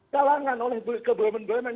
kalangan oleh ke bumn bumn